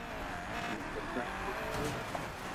ھون ڪپڙا ھيڙيو ھون